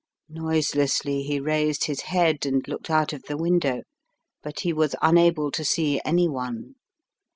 Noiselessly he raised his head and looked out of the window, but he was unable to see any one.